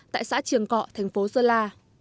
tại xã triềng cọ thành phố sơn la